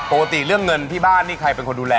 ปกติเรื่องเงินที่บ้านนี่ใครเป็นคนดูแล